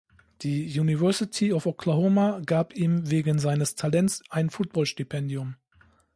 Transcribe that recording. Die University of Oklahoma gab ihm wegen seines Talents ein Football-Stipendium.